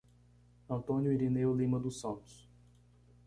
Antônio Irineu Lima dos Santos